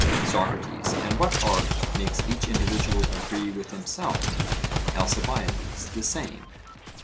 SOCRATES: And what art makes each individual agree with himself? ALCIBIADES: The same.